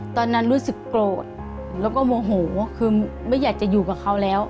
ตอนนั้นรู้สึกโกรธแล้วก็โมโหคือไม่อยากจะอยู่กับเขาแล้ว